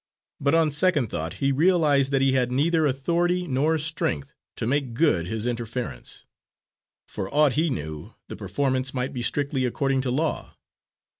But on second thought he realised that he had neither authority nor strength to make good his interference. For aught he knew, the performance might be strictly according to law.